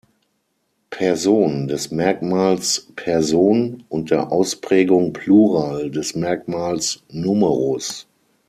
Person“ des Merkmals „Person“ und der Ausprägung „Plural“ des Merkmals „Numerus“.